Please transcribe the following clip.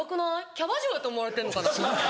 キャバ嬢やと思われてんのかな？